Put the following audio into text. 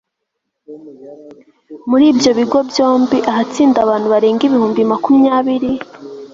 muri ibyo bigo byombi ahatsinda abantu barenga ibihumbi makumyabiri